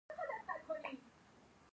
د کندهار په سپین بولدک کې د سمنټو مواد شته.